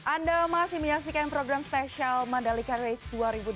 anda masih menyaksikan program spesial mandalika race dua ribu dua puluh